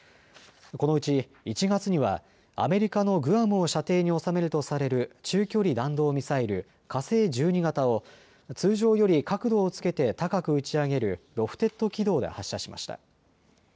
このうち１月にはアメリカのグアムを射程に収めるとされる中距離弾道ミサイル火星１２型を通常より角度をつけて高く打ち上げるロフテッド軌道で発射しました。